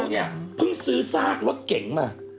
เนี่ยเพิ่งซื้อซากรถเก๋งมา